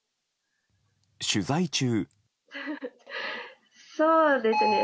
取材中。